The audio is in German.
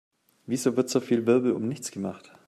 Wieso wird so viel Wirbel um nichts gemacht?